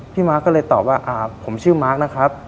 มาร์คก็เลยตอบว่าผมชื่อมาร์คนะครับ